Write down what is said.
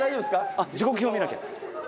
あっ時刻表見なきゃ。